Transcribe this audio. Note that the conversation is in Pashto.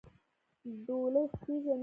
ډولۍ خو پېژنې؟